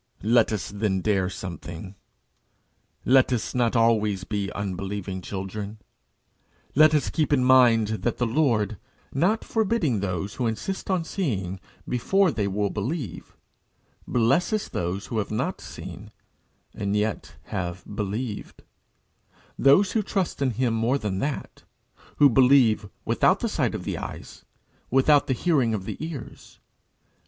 Let us then dare something. Let us not always be unbelieving children. Let us keep in mind that the Lord, not forbidding those who insist on seeing before they will believe, blesses those who have not seen and yet have believed those who trust in him more than that who believe without the sight of the eyes, without the hearing of the ears.